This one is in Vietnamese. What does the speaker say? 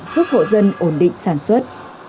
giúp hộ dân ổn định sản xuất